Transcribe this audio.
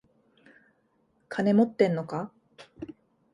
金持ってんのか？